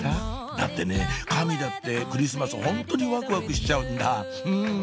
だってね神だってクリスマスホントにワクワクしちゃうんだうん！